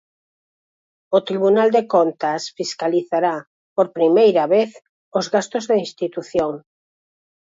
O Tribunal de Contas fiscalizará, por primeira vez, os gastos da institución.